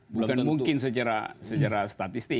bukan mungkin secara statistik